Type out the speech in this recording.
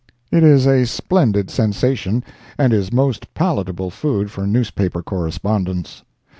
It is a splendid sensation, and is most palatable food for newspaper correspondents.